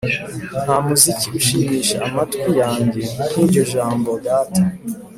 “nta muziki ushimisha amatwi yanjye nk'iryo jambo data